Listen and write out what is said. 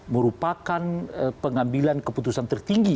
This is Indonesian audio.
merupakan pengambilan keputusan tertinggi